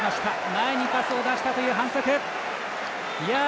前にパスを出したという反則。